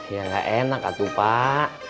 ya ga enak atuh pak